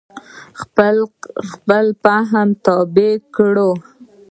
خپل فهم تابع کړو.